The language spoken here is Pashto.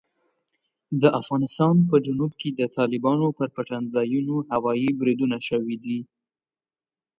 د افغانستان په جنوب کې د طالبانو پر پټنځایونو هوايي بریدونه شوي دي.